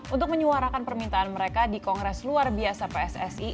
untuk menyuarakan permintaan mereka di kongres luar biasa pssi